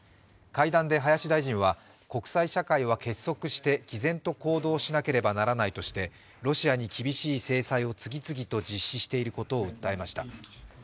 会談で林大臣は国際社会は結束して毅然と行動しなければならないとしてロシアに厳しい制裁を次々と実施していることを訴えました。